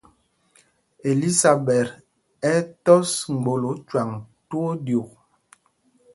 Elisaɓɛt ɛ́ ɛ́ tɔ́s mgbolǒ cwâŋ twóó ɗyûk.